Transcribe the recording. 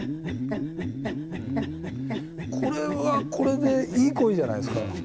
これはこれでいい声じゃないですか？